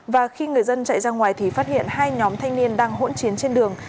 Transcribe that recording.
và khi người dân chạy ra ngoài thì phát hiện hai nhóm thanh niên đang hỗn chiến trên đường